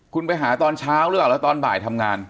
คุณไปหาตอนเช้าแล้วแล้วตอนบ่ายทำงาน